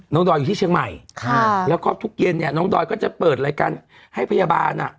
ดอยอยู่ที่เชียงใหม่ค่ะแล้วก็ทุกเย็นเนี่ยน้องดอยก็จะเปิดรายการให้พยาบาลอ่ะ